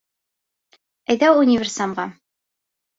Әйҙә универсамға